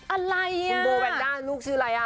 อะไรอ่ะ